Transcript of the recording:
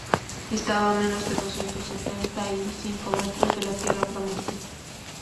Estaban a menos de doscientos setenta y cinco metros de la tierra prometida.